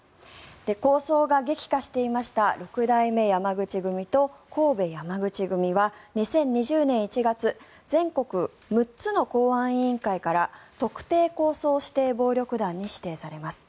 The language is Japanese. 抗争が激化していました六代目山口組と神戸山口組は２０２０年１月全国６つの公安委員会から特定抗争指定暴力団に指定されます。